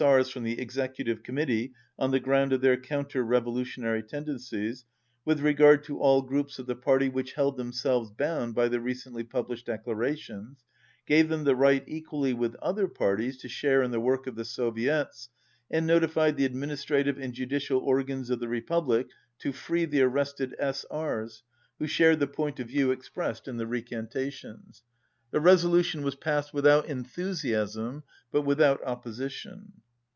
R.'s from the Exec utive Committee on the ground of their counter revolutionary tendencies) with regard to all groups 166 of the party which held themselves bound by the recently published declarations, gave them the right equally with other parties to share in the work of the Soviets, and notified the administra tive and judicial organs of the Republic to free the arrested S.R.'s who shared the point of view expressed in the recantations. The resolution was passed without enthusiasm but without opposi tion.